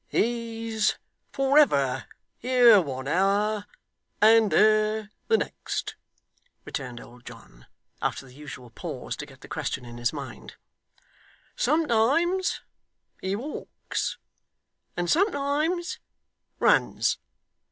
'He's, for ever, here one hour, and there the next,' returned old John, after the usual pause to get the question in his mind. 'Sometimes he walks, and sometimes runs.